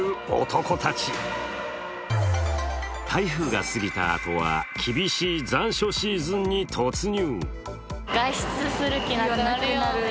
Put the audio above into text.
台風がすぎたあとは厳しい残暑シーズンに突入。